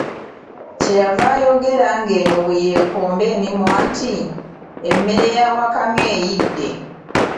Kye yava ayogera ng'eno bwe yeekomba emimwa nti, emmere ya Wakamyu eyidde.